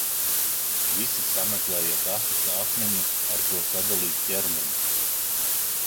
Visi sameklējiet asus akmeņus, ar ko sadalīt ķermeni!